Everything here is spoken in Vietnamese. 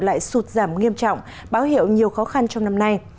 lại sụt giảm nghiêm trọng báo hiệu nhiều khó khăn trong năm nay